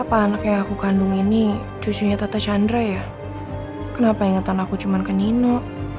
apa anak yang aku kandung ini cucunya tante chandra ya kenapa inget tante aku cuman ke nino